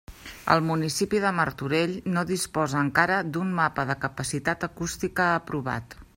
El municipi de Martorell no disposa encara d'un mapa de capacitat acústica aprovat.